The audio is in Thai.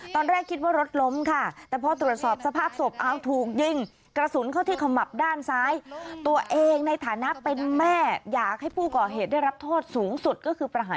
ตอนแรกคิดว่ารถล้มค่ะ